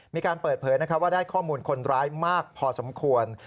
มีการเปิดเผยว่าได้ข้อมูลคนร้ายมากพอสมควร